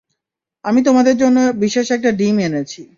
আমি তোমাদের জন্য বিশেষ একটা ডিম এনেছি!